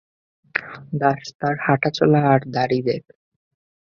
দাস, তার হাঁটা চলা আর দাড়ি দেখ্!